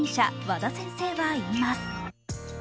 和田先生はいいます。